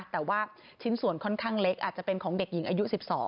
แต่ว่าชิ้นส่วนค่อนข้างเล็กอาจจะเป็นของเด็กหญิงอายุ๑๒